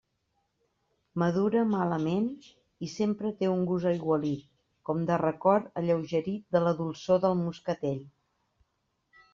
Madura malament i sempre té un gust aigualit, com de record alleugerit de la dolçor del moscatell.